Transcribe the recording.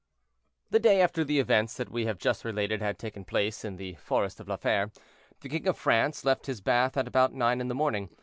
The day after the events that we have just related had taken place in the forest of La Fere, the king of France left his bath at about nine in the morning.